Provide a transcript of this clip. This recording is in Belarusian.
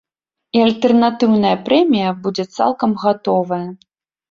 І альтэрнатыўная прэмія будзе цалкам гатовая.